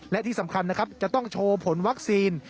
และที่สำคัญนะครับจะต้องโชว์ผลวัคซีน